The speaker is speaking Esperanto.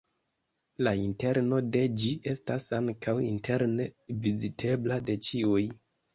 La interno de ĝi estas ankaŭ interne vizitebla de ĉiuj.